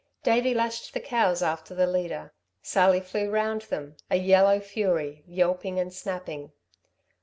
Davey lashed the cows after the leader. Sally flew round them, a yellow fury, yelping and snapping.